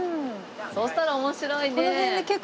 そしたら面白いね！